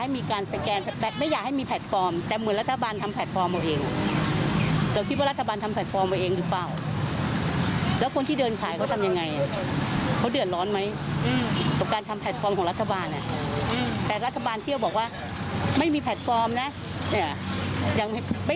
ไม่เข้าใจว่ารัฐบาลไปประกาศจับมังกรฟ้าอะไรอย่างนี้